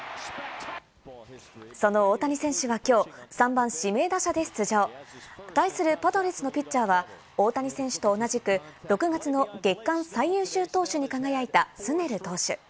大谷選手はきょう３番・指名打者で出場。対するパドレスのピッチャーは大谷選手と同じく６月の月間最優秀投手に輝いたスネル投手。